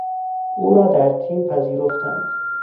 او را در تیم پذیرفتند.